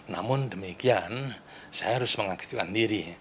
namun demikian saya harus mengaktifkan diri